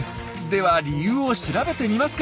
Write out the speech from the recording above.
では理由を調べてみますか。